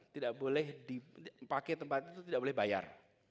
tidak boleh dipakai tempat itu tidak boleh bayar